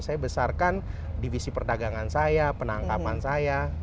saya besarkan divisi perdagangan saya penangkapan saya